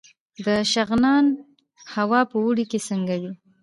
د شغنان هوا په اوړي کې څنګه وي؟